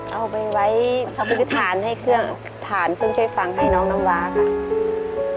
เอาไปไว้พระพุทธฐานให้เครื่องฐานเครื่องช่วยฟังให้น้องน้ำวาค่ะ